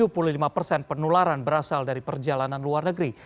tujuh puluh lima persen penularan berasal dari perjalanan luar negeri